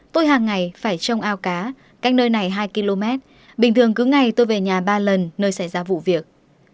tôi hàng ngày phải trông ao cá cách nơi này hai km bình thường cứ ngày tôi về nhà ba lần nơi xảy ra vụ việc